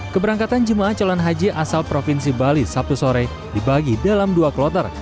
keberangkatan jemaah calon haji asal provinsi bali sabtu sore dibagi dalam dua kloter